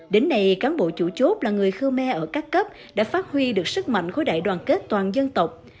đến nay cán bộ chủ chốt là người khmer ở các cấp đã phát huy được sức mạnh khối đại đoàn kết toàn dân tộc